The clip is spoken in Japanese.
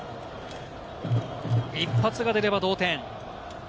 一発が出れば同点。